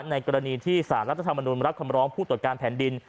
ในกรณีที่สารรัฐธรรมนุนรับคำร้องผู้ตรวจการแผ่นดิน